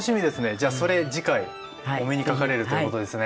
じゃあそれ次回お目にかかれるということですね。